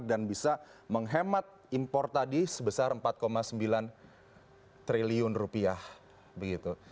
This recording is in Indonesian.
dan bisa menghemat impor tadi sebesar empat sembilan triliun rupiah begitu